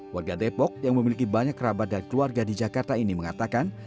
warga depok yang memiliki banyak kerabat dan keluarga di jakarta ini mengatakan